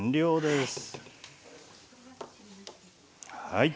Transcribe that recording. はい。